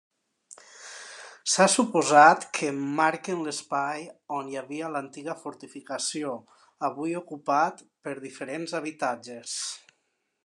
S'ha suposat que emmarquen l'espai on hi havia l'antiga fortificació, avui ocupat per diferents habitatges.